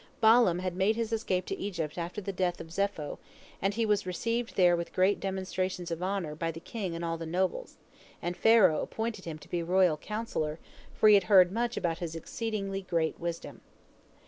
Balaam had made his escape to Egypt after the death of Zepho, and he was received there with great demonstrations of honor by the king and all the nobles, and Pharaoh appointed him to be royal counsellor, for he had heard much about his exceeding great wisdom.